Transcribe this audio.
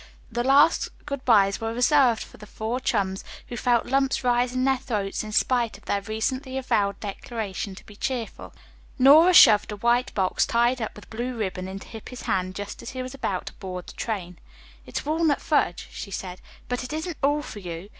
The last good byes were reserved for the four chums, who felt lumps rise in their throats in spite of their recently avowed declaration to be cheerful. Nora shoved a white box tied up with blue ribbon into Hippy's hand just as he was about to board the train. "It's walnut fudge," she said. "But it isn't all for you.